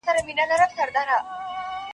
ډلي ډلي مي له لاري دي ايستلي .